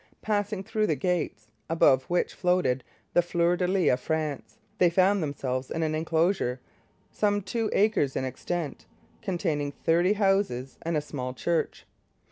Passing through the gates, above which floated the fleurs de lis of France, they found themselves in an enclosure, some two acres in extent, containing thirty houses and a small church.